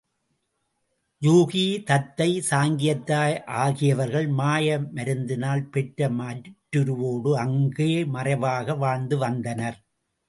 யூகி, தத்தை, சாங்கியத் தாய் ஆகியவர்கள் மாய மருந்தினால் பெற்ற மாற்றுருவோடு அங்கே மறைவாக வாழ்ந்து வந்தனர்.